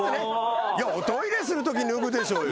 いやおトイレするとき脱ぐでしょうよ。